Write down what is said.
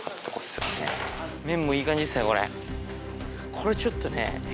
これちょっとね。